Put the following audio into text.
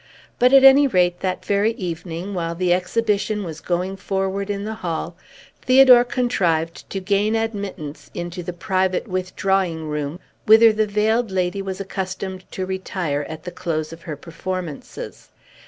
But, at any rate, that very evening, while the exhibition was going forward in the hall, Theodore contrived to gain admittance into the private withdrawing room whither the Veiled Lady was accustomed to retire at the close of her performances.